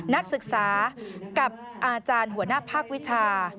นักศึกษากับอาจารย์หัวหน้าภาควิชา